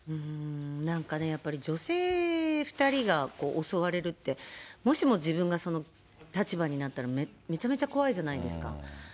なんかね、やっぱり女性２人が襲われるって、もしも、自分がその立場になったら、めちゃめちゃ怖いじゃないですか。